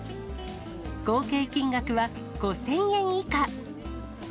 合計金額は５０００円以下。